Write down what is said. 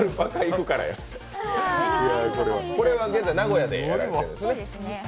これは現在、名古屋でやられているんですね。